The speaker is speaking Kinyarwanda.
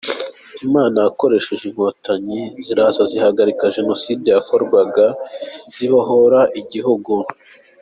Imana yakoresheje inkotanyi ziraza zihagarika Jenoside yakorwaga zibohora igihugu.